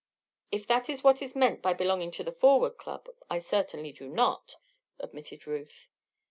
"If that is what is meant by belonging to the Forward Club, I certainly do not," admitted Ruth.